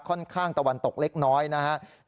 ข้างตะวันตกเล็กน้อยนะครับ